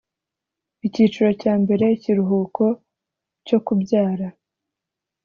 icyiciro cya mbere ikiruhuko cyo kubyara